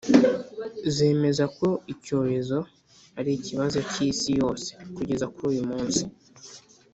zemeza ko icyorezo ari ikibazo cy’isi yose. kugeza kuri uyu munsi,